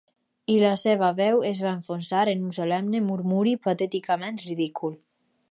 I la seva veu es va enfonsar en un solemne murmuri, patèticament ridícul.